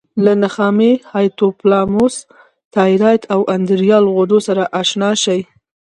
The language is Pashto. له نخامیې، هایپوتلاموس، تایرایډ او ادرینال غدو سره آشنا شئ.